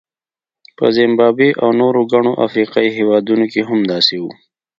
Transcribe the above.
په زیمبابوې او نورو ګڼو افریقایي هېوادونو کې هم داسې وو.